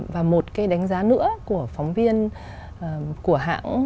và một cái đánh giá nữa của phóng viên của hãng